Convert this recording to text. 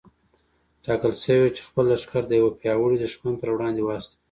ټاکل شوې وه چې خپل لښکر د يوه پياوړي دښمن پر وړاندې واستوي.